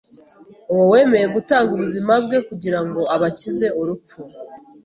Uwo wemeye gutanga ubuzima bwe kugira ngo abakize urupfu